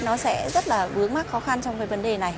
nó sẽ rất là vướng mắc khó khăn trong cái vấn đề này